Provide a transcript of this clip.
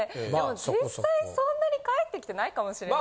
実際そんなに返ってきてないかもしれない。